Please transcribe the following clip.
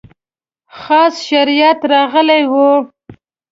خاص شریعت راغلی و.